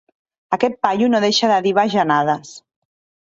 Aquest paio no deixa de dir bajanades.